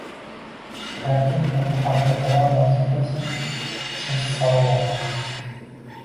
Agar kimdir bu haqda biror narsa bilsa, siz salom aytasiz